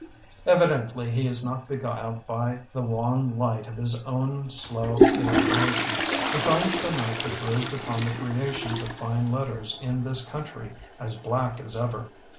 Evidently he is not beguiled by the wan light of his own slow illumina tion. He finds the night that broods upon the creation of fine letters in this country as black as ever.